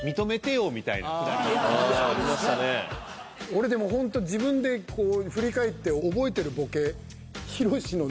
俺でもほんと自分で振り返って覚えてるボケ